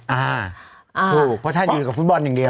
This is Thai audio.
ถูกเพราะท่านอยู่กับฟุตบอลอย่างเดียว